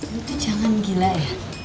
lo tuh jangan gila ya